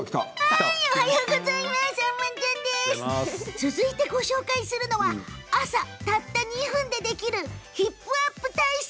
続いてご紹介するのは朝たった２分でできるヒップアップ体操